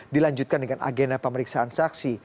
dilanjutkan dengan agenda pemeriksaan saksi